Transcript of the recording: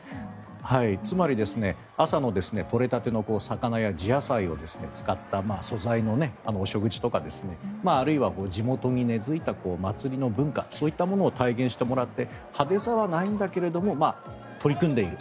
つまり、朝のとれたての魚や地野菜を使った素材のお食事とかあるいは地元に根付いた祭りの文化といったものを体現してもらって派手さはないんだけれども取り組んでいる。